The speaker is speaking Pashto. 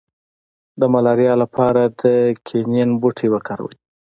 د ملاریا لپاره د کینین بوټی وکاروئ